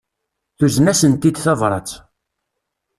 Tuzen-asent-id tabrat.